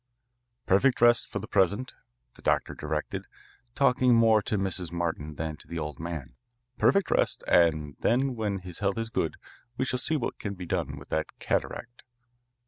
"Perfect rest for the present," the doctor directed, talking more to Mrs. Martin than to the old man. "Perfect rest, and then when his health is good, we shall see what can be done with that cataract."